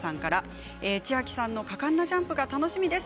千明さんの果敢なジャンプ楽しみです。